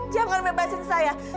jangan bebasin saya